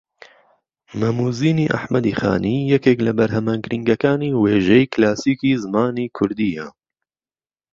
مەم و زینی ئەحمەدی خانی یەکێک لە بەرھەمە گرینگەکانی وێژەی کلاسیکی زمانی کوردییە